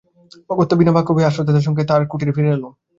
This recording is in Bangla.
অগত্যা বিনা বাক্যব্যয়ে আশ্রয়দাতার সঙ্গে তার কুটীরে ফিরে এলুম।